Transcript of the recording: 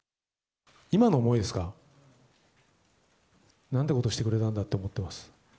今の思いですか。なんてことしてくれたんだって思っています。